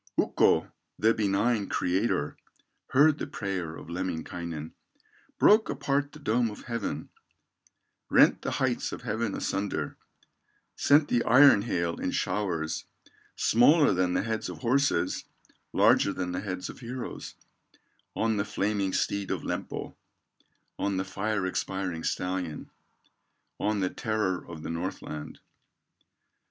Ukko, the benign Creator, Heard the prayer of Lemminkainen, Broke apart the dome of heaven, Rent the heights of heaven asunder, Sent the iron hail in showers, Smaller than the heads of horses, Larger than the heads of heroes, On the flaming steed of Lempo, On the fire expiring stallion, On the terror of the Northland.